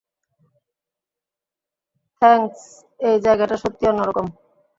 Thanks, এই জায়গাটা সত্যিই অন্যরকম!